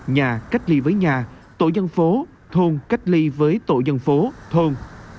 nhà cách ly với nhà tổ dân phố thôn cách ly với tổ dân phố thôn